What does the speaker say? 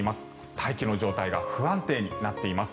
大気の状態が不安定になっています。